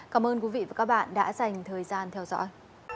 cảm ơn các bạn đã theo dõi